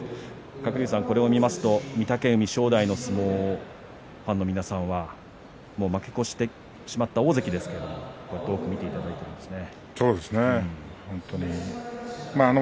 鶴竜さん、これを見ると御嶽海、正代の相撲ファンの皆さんは負け越してしまった大関ですが多く見ていただいたんですね。